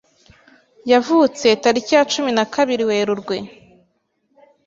yavutse tariki ya cumi na kabiri werurwe